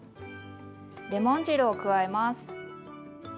レモン汁を加えます。